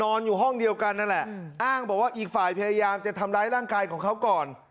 อยู่ห้องเดียวกันนั่นแหละอ้างบอกว่าอีกฝ่ายพยายามจะทำร้ายร่างกายของเขาก่อน